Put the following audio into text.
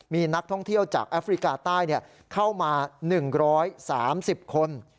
มีนักท่องเที่ยวจากแอฟริกาใต้เข้ามา๑๓๐คน